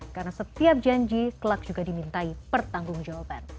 karena setiap janji kelak juga dimintai pertanggung jawaban